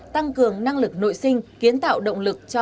tăng cường năng lực nội sinh kiến tạo động lực cho